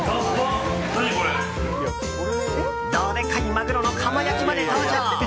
どでかいマグロのカマ焼きまで登場。